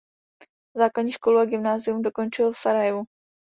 Základní školu a gymnázium dokončil v Sarajevu.